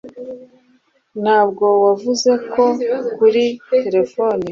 ntabwo wavuze ko kuri terefone